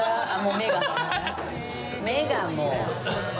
目がもう。